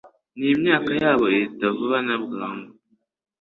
n’imyaka yabo ihita vuba na bwangu